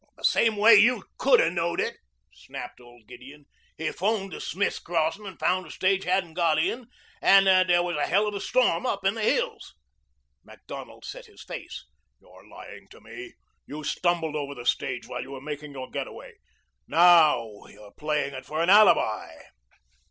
"The same way you could' a' known it," snapped old Gideon. "He 'phoned to Smith's Crossin' and found the stage hadn't got in and that there was a hell of a storm up in the hills." Macdonald set his face. "You're lying to me. You stumbled over the stage while you were making your getaway. Now you're playing it for an alibi."